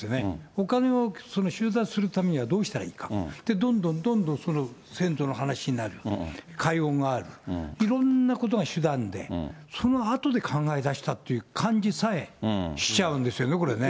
お金を収奪するためにはどうしたらいいのか、どんどんどんどん、先祖の話になる、解怨がある、いろんなことが手段で、そのあとで考え出したという感じさえしちゃうんですよね、これね。